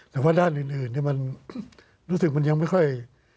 แต่ว่าด้านอื่นมันรู้สึกมันยังไม่ค่อย